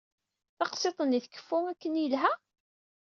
Taqsiṭ-nni tkeffu akken yelha?